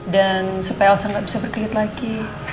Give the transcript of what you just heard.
dan supaya elsa gak bisa berkelit lagi